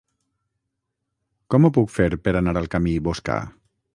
Com ho puc fer per anar al camí Boscà?